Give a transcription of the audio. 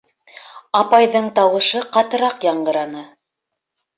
Апайҙың тауышы ҡатыраҡ яңғыраны.